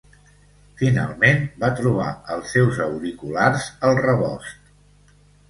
Finalment, va trobar els seus auriculars al rebost.